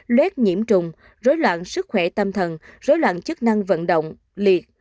luét nhiễm trùng rối loạn sức khỏe tâm thần rối loạn chức năng vận động liệt